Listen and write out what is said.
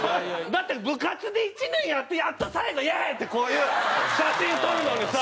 だって部活で１年やってやっと最後「イエーイ！」ってこういう写真を撮るのにさ。